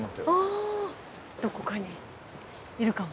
どこかにいるかも。